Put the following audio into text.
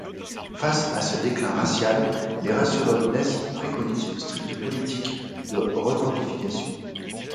Face à ce déclin racial, les raciologues nazis préconisent une stricte politique de renordification.